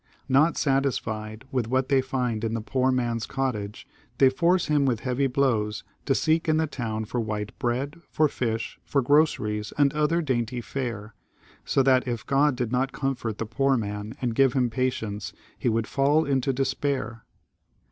Not satisfied with what they find in the poor man's cottage, they force hinn with heavy blows to seek in the town for white bread, for fish, for groceries, and other dainty fare ; so that if God did not comfort the poor man, and give him patience, he would fall into despair.